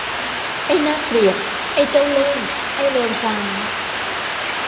ไอ้น่าเกลียด ไอ้เจ้าเล่ห์ ไอ้เลวทราม !